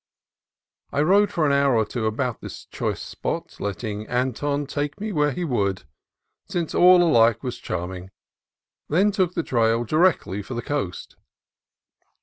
I rode for an hour or two about this choice spot, letting Anton take me where he would, since all alike was charming: then took the trail directly for the coast.